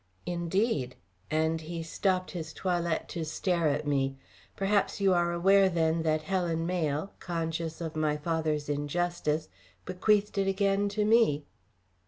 "Indeed!" and he stopped his toilette to stare at me. "Perhaps you are aware then that Helen Mayle, conscious of my father's injustice, bequeathed it again to me."